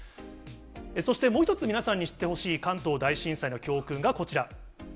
そしてもう一つ、皆さんに知ってほしい関東大震災の教訓がこちら。